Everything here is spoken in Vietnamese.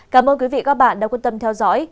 cảm ơn quý vị và các bạn đã quan tâm theo dõi